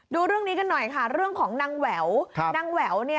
ดูเรื่องนี้กันหน่อยค่ะเรื่องของนางแหววนางแหวว